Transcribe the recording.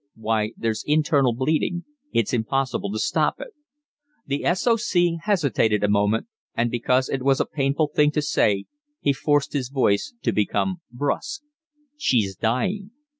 "Why, there's internal bleeding. It's impossible to stop it." The S. O. C. hesitated a moment, and because it was a painful thing to say he forced his voice to become brusque. "She's dying."